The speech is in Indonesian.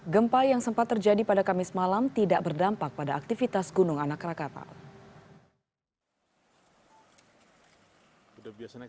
gempa yang sempat terjadi pada kamis malam tidak berdampak pada aktivitas gunung anak rakatau